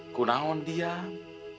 aku mau diam